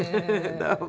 どうも。